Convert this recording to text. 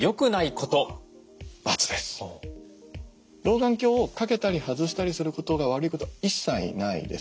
老眼鏡を掛けたり外したりすることが悪いことは一切ないです。